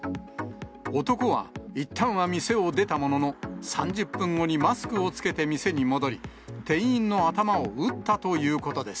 男はいったんは店を出たものの、３０分後にマスクを着けて店に戻り、店員の頭を撃ったということです。